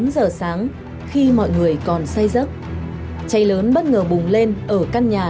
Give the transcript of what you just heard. bốn giờ sáng khi mọi người còn say rớt cháy lớn bất ngờ bùng lên ở căn nhà này